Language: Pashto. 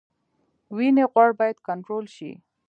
وینې غوړ باید کنټرول شي